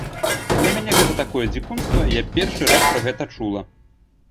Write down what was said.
Для мяне гэта такое дзікунства, я першы раз пра гэта чула.